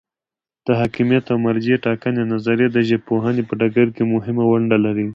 د حاکمیت او مرجع ټاکنې نظریه د ژبپوهنې په ډګر کې مهمه ونډه لري.